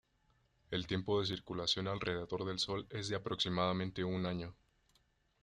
El tiempo de circulación alrededor del Sol es de aproximadamente un año.